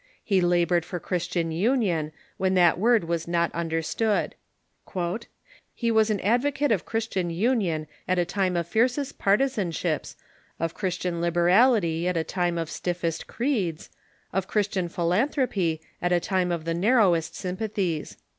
He labored for Chris tian union when that word was not understood. " He was an advocate of Christian union at a time of fiercest partisanships, of Christian liberality at a time of stiffest creeds, of Christian philanthropy at a time of the narrowest sympathies."